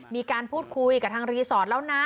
มีการพูดคุยกับทางรีสอร์ทแล้วนะ